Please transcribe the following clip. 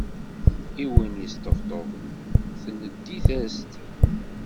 I win yesṭebṭuben, tleddi-as-d.